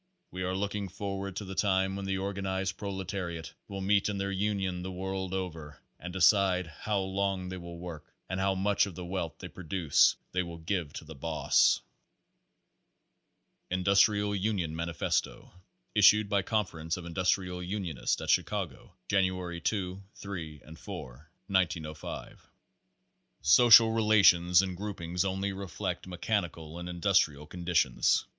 We are looking forward to the time when the or ganized proletariat will meet in their union the world over "and decide how long they will work and how much of the wealth they produce they will give to the boss." INDUSTRIAL UNION MANIFESTO Issued by Conference of Industrial Unionists at Chi cago, January 2, 3 and 4, 1905. Social relations and groupings only reflect mechani cal and industrial conditions.